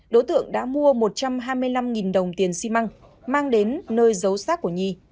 đối tượng đã mua một trăm hai mươi năm đồng tiền xi măng mang đến nơi giấu sát của nhi